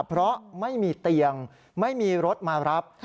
เพราะไม่มีเตียงไม่มีรถมารับ